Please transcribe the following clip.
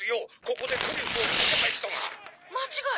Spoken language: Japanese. ここでトリュフを見つけた人が」